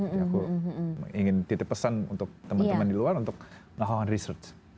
jadi aku ingin titip pesan untuk teman teman di luar untuk melakukan research